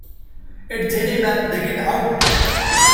At Geneva they get out.